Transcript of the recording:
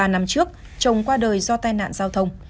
ba năm trước chồng qua đời do tai nạn giao thông